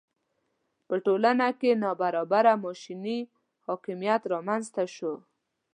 په ټولنه کې ناببره ماشیني حاکمیت رامېنځته شو.